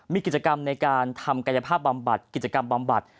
มีกิจกรรมที่ทำกายภาพบำบัด